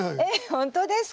本当ですか？